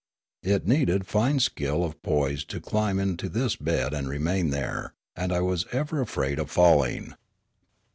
It needed fine skill of poise to climb to this bed and remain there, and I was ever afraid of falling.